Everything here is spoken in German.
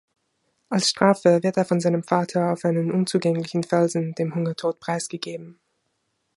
Als Strafe wird er von seinem Vater auf einen unzugänglichen Felsen dem Hungertod preisgegeben.